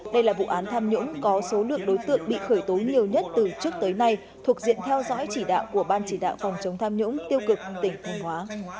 đây là vụ án tham nhũng có số lượng đối tượng bị khởi tố nhiều nhất từ trước tới nay thuộc diện theo dõi chỉ đạo của ban chỉ đạo phòng chống tham nhũng tiêu cực tỉnh thanh hóa